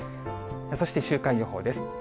そして週間予報です。